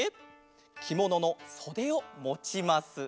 きもののそでをもちます。